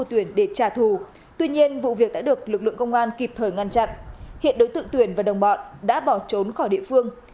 tuy nhiên vụ việc đã được lực lượng công an kịp thời ngăn chặn hiện đối tượng tuyển và đồng bọn đã bỏ trốn khỏi địa phương